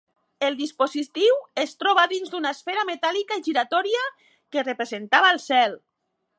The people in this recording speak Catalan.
El dispositiu es trobava dins d'una esfera metàl·lica i giratòria que representava el cel.